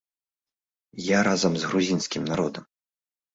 Я разам з грузінскім народам.